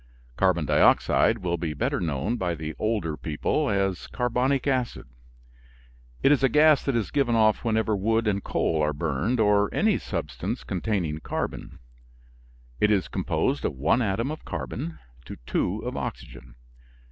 Carbon dioxide will be better known by the older people as carbonic acid. It is a gas that is given off whenever wood and coal are burned, or any substance containing carbon. It is composed of one atom of carbon to two of oxygen.